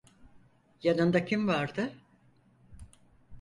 Yanında kim vardı?